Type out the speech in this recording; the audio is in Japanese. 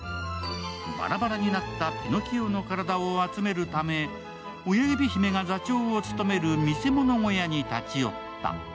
バラバラになったピノキオの体を集めるため、親指姫が座長を務める見世物小屋に立ち寄った。